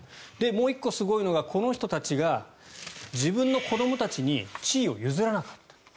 もう１個すごいのがこの人たちが自分の子どもたちに地位を譲らなかった。